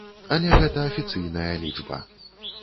Але гэта афіцыйная лічба.